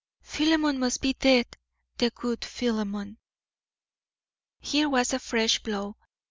"Philemon must be dead; the good Philemon." Here was a fresh blow.